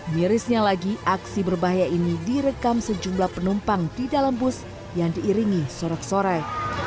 mirisnya lagi aksi berbahaya ini direkam sejumlah penumpang di dalam bus yang diiringi sorak sorai